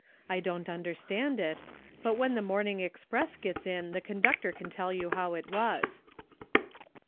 I don't understand it, but when the morning express gets in the conductor can tell you how it was."